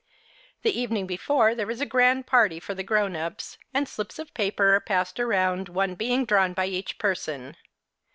The evening before there is a grand party for the grown ups, and slips of paper are passed around, one being drawn by each person.